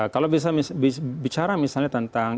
kalau bisa bicara misalnya tentang